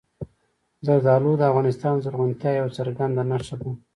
زردالو د افغانستان د زرغونتیا یوه څرګنده نښه ده.